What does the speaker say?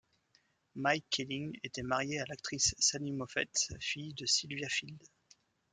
Mike Kellin était marié à l'actrice Sally Moffet, fille de Sylvia Field.